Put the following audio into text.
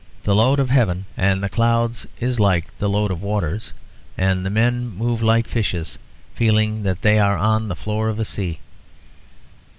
The load of heaven and the clouds is like a load of waters, and the men move like fishes, feeling that they are on the floor of a sea.